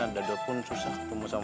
dado pun susah ketemu sama